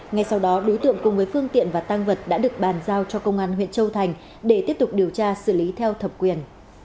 ngay sau đó đối tượng cùng với phương tiện và tăng vật đã được bàn giao cho công an huyện châu thành để tiếp tục điều tra xử lý theo thẩm quyền